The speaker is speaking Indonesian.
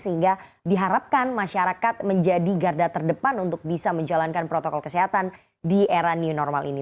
sehingga diharapkan masyarakat menjadi garda terdepan untuk bisa menjalankan protokol kesehatan di era new normal ini